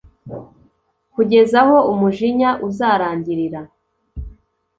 kugeza aho umujinya uzarangirira